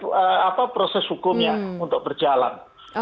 untuk proses hukumnya untuk berjalan